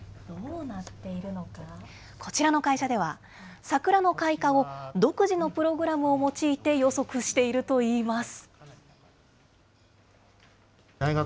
こちらの会社では、桜の開花を独自のプログラムを用いて予測しているといいます。